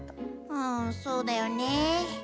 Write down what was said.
うんそうだよねぇ。